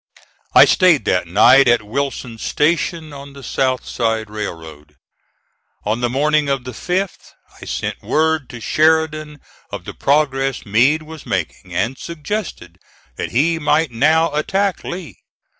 I stayed that night at Wilson's Station on the South Side Railroad. On the morning of the 5th I sent word to Sheridan of the progress Meade was making, and suggested that he might now attack Lee.